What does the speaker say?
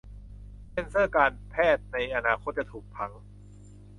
เซ็นเซอร์การแพทย์ในอนาคตจะถูกผัง